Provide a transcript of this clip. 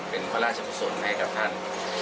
เป็นพระราชกุศลให้กับท่าน